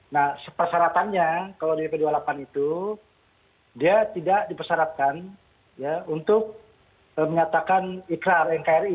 nah persyaratannya kalau di p dua puluh delapan itu dia tidak dipersyaratkan ya untuk menyatakan ikrar nkri